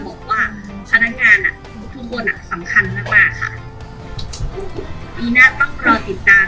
บอกว่าพนักงานอ่ะทุกทุกคนอ่ะสำคัญมากมากค่ะปีหน้าต้องรอติดตาม